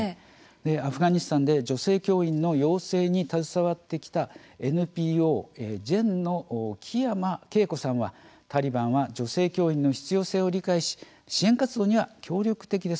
アフガニスタンで女性教員の養成に携わってきたＮＰＯ・ＪＥＮの木山啓子さんはタリバンは女性教員の必要性を理解し支援活動には協力的です。